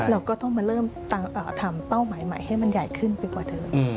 เราก็ต้องมาเริ่มทำเป้าหมายใหม่ให้มันใหญ่ขึ้นไปกว่าเดิม